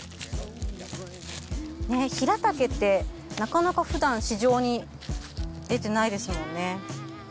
ヒラタケってなかなかふだん市場に出てないですもんね。